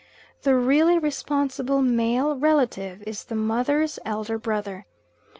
The really responsible male relative is the mother's elder brother.